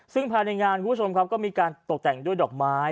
ซึ่งภายในงานคุณผู้ชมครับก็มีการตกแต่งด้วยดอกไม้